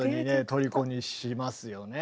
とりこにしますよね。